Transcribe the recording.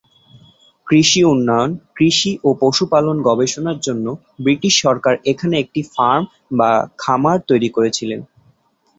কৃষি উন্নয়ন, কৃষি ও পশুপালন গবেষণার জন্য ব্রিটিশ সরকার এখানে একটি ফার্ম বা খামার তৈরি করেছিল।